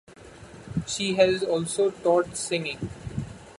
She has also taught singing.